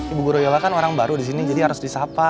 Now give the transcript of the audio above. ibu guru yola kan orang baru di sini jadi harus disapa